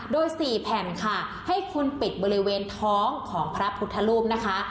โดย๔แผ่นค่ะให้คุณปิดบริเวณท้องของพระพุทธรูปนะคะ